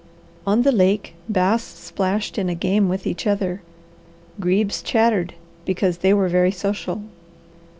On the lake bass splashed in a game with each other. Grebes chattered, because they were very social.